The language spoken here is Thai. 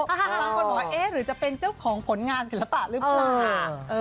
บางคนบอกว่าเอ๊ะหรือจะเป็นเจ้าของผลงานศิลปะหรือเปล่า